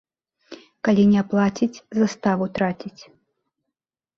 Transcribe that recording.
Калі не аплаціць, заставу траціць.